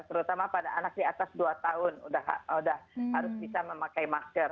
terutama pada anak di atas dua tahun sudah harus bisa memakai masker